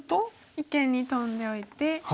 一間にトンでおいて。